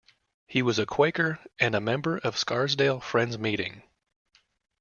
He was a Quaker and a member of Scarsdale Friends Meeting.